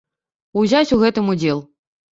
Узяць у гэтым удзел.